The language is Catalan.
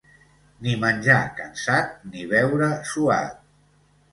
Ni menjar cansat, ni beure suat.